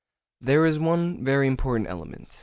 There is one very important element.